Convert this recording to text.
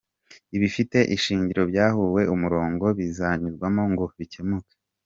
Ibifite ishingiro byahawe umurongo bizanyuzwamo ngo bikemuke.